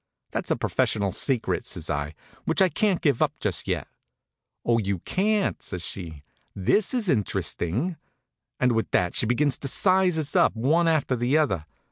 "That's a professional secret," says I, "which I can't give up just yet." "Oh, you can't!" says she. "This is interesting." And with that she begins to size us up, one after the other.